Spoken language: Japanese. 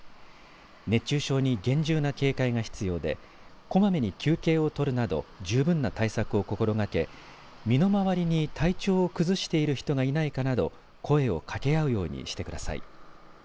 熱中症に厳重な警戒が必要でこまめに休憩を取るなど十分な対策を心がけ身の回りに体調を崩している人がいないかなど声を掛け合うようにしてください。